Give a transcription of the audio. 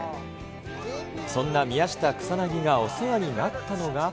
そんな宮下草薙がお世話になったのが。